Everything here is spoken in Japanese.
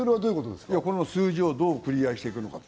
この数字をどうクリアしていくのか。